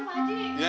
perbantian di sobat